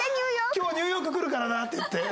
「今日はニューヨーク来るからな」っていって。